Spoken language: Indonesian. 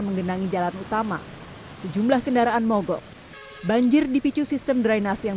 menggenangi jalan utama sejumlah kendaraan mogok banjir dipicu sistem drainasi yang